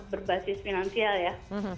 berbasis finansial ya